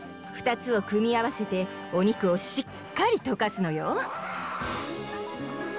ふたつをくみあわせておにくをしっかりとかすのよ。